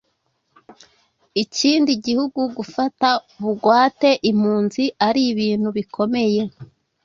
ikindi gihugu gufata bugwate impunzi ari ibintu bikomeye.